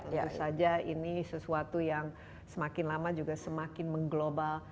tentu saja ini sesuatu yang semakin lama juga semakin mengglobal